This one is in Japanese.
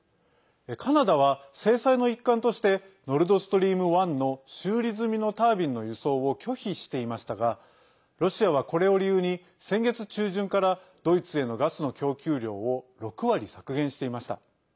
カナダは、制裁の一環としてノルドストリーム１の修理済みのタービンの輸送を拒否していましたがロシアは、これを理由に先月中旬からドイツへのガスの供給量を６割削減していました。